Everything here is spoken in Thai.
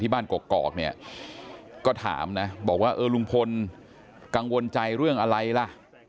บ้านกอกเนี่ยก็ถามนะบอกว่าเออลุงพลกังวลใจเรื่องอะไรล่ะ